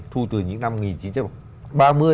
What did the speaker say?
thu từ những năm một nghìn chín trăm ba mươi